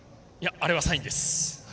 あれはサインです。